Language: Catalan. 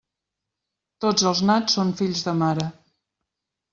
Tots els nats són fills de mare.